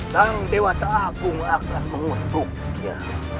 dan dewata agung akan menguntung dia